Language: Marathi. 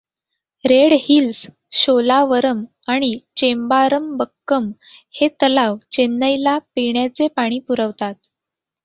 रेड हिल्स, शोलावरम आणि चेंबारमबक्कम हे तलाव चेन्नईला पिण्याचे पाणी पुरवतात.